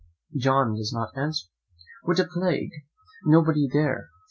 John does not answer. 'What a plague! nobody there?